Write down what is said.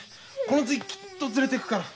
この次きっと連れていくから。